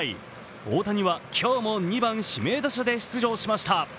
大谷は今日も２番・指名打者で出場しました。